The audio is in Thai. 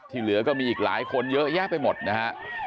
เหลือก็มีอีกหลายคนเยอะแยะไปหมดนะฮะ